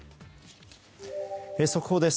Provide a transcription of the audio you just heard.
速報です。